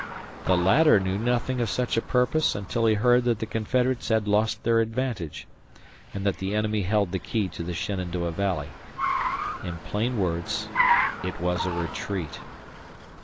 The latter knew nothing of such a purpose until he heard that the Confederates had lost their advantage, and that the enemy held the key to the Shenandoah Valley. In plain words it was a retreat.